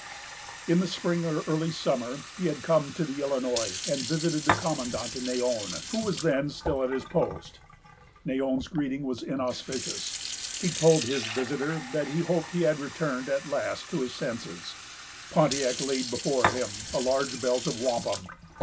In the spring, or early summer, he had come to the Illinois and visited the commandant, Neyon, who was then still at his post. Neyon's greeting was inauspicious. He told his visitor that he hoped he had returned at last to his senses. Pontiac laid before him a large belt of wampum.